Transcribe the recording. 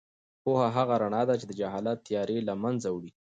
پوهه هغه رڼا ده چې د جهالت تیارې له منځه وړي.